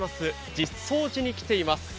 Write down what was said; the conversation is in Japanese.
實相寺に来ています。